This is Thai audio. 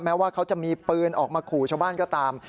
ว่าเขาจะมีปืนออกมาขู่ชาวบ้านก็ตาม